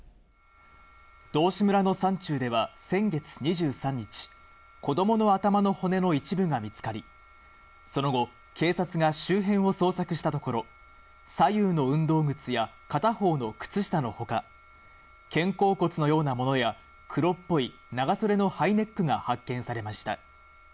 道志村の山中では先月２３日、子どもの頭の骨の一部が見つかり、その後、警察が周辺を捜索したところ、左右の運動靴や片方の靴下のほか、肩甲骨のようなものや、黒っぽい長袖のハイネックが発見されました。